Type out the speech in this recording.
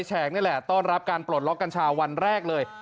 แฉกนี่แหละต้อนรับการปลดล็อกกัญชาวันแรกเลย